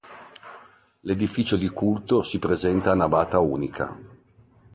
L'edificio di culto si presenta a navata unica.